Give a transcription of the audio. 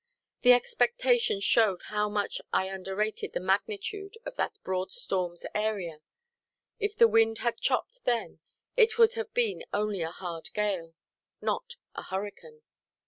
The expectation showed how much I underrated the magnitude of that broad stormʼs area. If the wind had chopped then, it would have been only a hard gale, not a hurricane.